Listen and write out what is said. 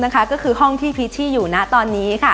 ก็คือห้องที่พิชชี่อยู่ณตอนนี้